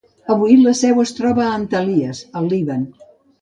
Avui, la seu es troba a Antelias, al Líban.